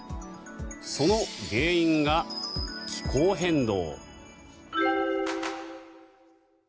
その原因が気候変動。